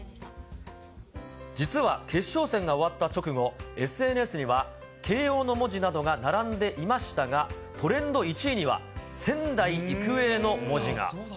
実は決勝戦が終わった直後、ＳＮＳには慶応の文字などが並んでいましたが、トレンド１位には仙台育英の文字が。